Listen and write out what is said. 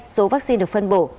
số vaccine được phân bổ